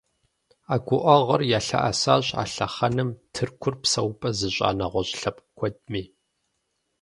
А гуӀэгъуэр ялъэӀэсащ а лъэхъэнэм Тыркур псэупӀэ зыщӀа нэгъуэщӀ лъэпкъ куэдми.